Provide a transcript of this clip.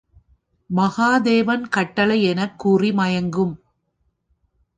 மகாதேவன் கட்டளை எனக் கூறி மயக்கும்!